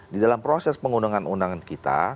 di dalam proses pengundangan undangan kita